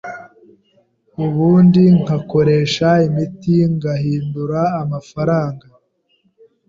ubundi nkakoresha imiti ngahindura amafaranga